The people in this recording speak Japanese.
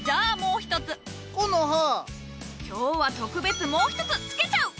今日は特別もう一つつけちゃう！